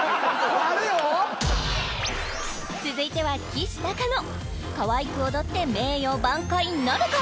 あるよ続いてはきしたかのかわいく踊って名誉挽回なるか？